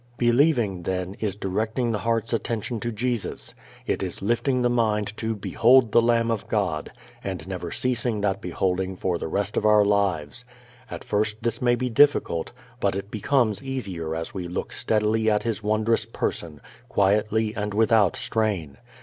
Believing, then, is directing the heart's attention to Jesus. It is lifting the mind to "behold the Lamb of God," and never ceasing that beholding for the rest of our lives. At first this may be difficult, but it becomes easier as we look steadily at His wondrous Person, quietly and without strain.